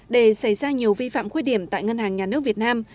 để xảy ra nhiều vi phạm khuyết điểm tại ngân hàng nhà nước việt nam